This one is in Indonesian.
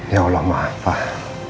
ya allah maaf pak